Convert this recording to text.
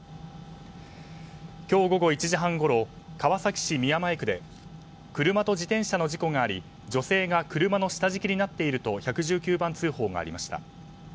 今日午後１時半ごろ川崎市宮前区で車と自転車の事故があり女性が車の下敷きになっていると１１９番通報がありました。